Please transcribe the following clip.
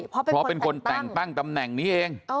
เพราะเป็นคนแต่งตั้งตำแหน่งนี้เอง